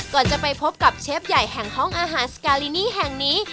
ก่อนจะไปพบกับเชฟใหญ่แห่งห้องอาหารสกาลินีแห่งนี้